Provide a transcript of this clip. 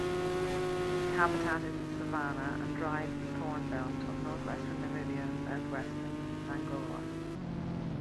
Its habitat is the savannah and dry thornveldt of northwestern Namibia and southwestern Angola.